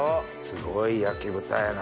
すごい焼豚やな